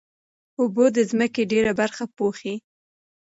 اوبه د ځمکې ډېره برخه پوښي.